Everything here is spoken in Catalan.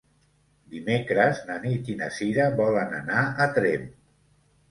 Dimecres na Nit i na Sira volen anar a Tremp.